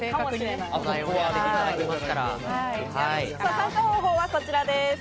参加方法はこちらです。